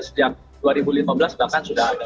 sejak dua ribu lima belas bahkan sudah ada